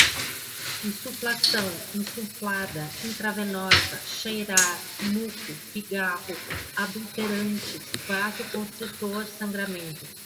insuflação, insuflada, intravenosa, cheirar, muco, pigarro, adulterantes, vasoconstritor, sangramentos